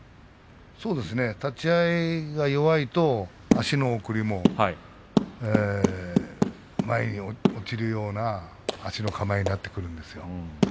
立ち合いが弱いと足の送りも前に落ちるような足の構えになってくるんですよ。